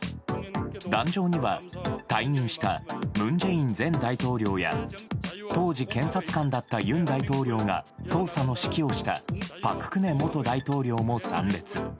壇上には退任した文在寅前大統領や当時、検察官だった尹大統領が捜査の指揮をした朴槿惠元大統領も参列。